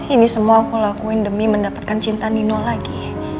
ini semua aku lakuin demi mendapatkan cinta nino lagi